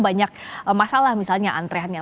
banyak masalah misalnya antreannya